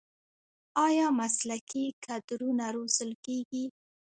آیا مسلکي کادرونه روزل کیږي؟